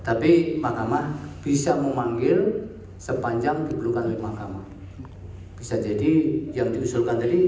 tapi mahkamah bisa memanggil sepanjang diperlukan oleh mahkamah bisa jadi yang diusulkan tadi